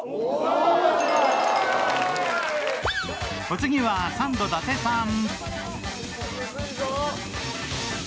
お次はサンド伊達さん。